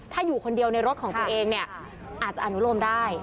ถ้าอยู่คนเดียวในรถของตัวเองเนี่ยอาจจะอนุโลมได้